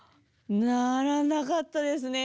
ならなかったですね。